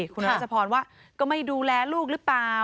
คุณราชพรว่าก็ไม่ดูแลลูกหรือเปล่า